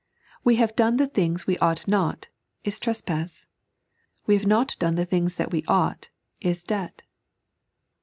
"We have done the things we ought not," is trespass ;" we have not done the things that we ought," ia debt.